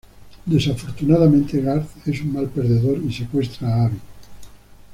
Desafortunadamente, Garth es un mal perdedor y secuestra a Abby.